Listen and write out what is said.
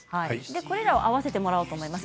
これらを合わせようと思います。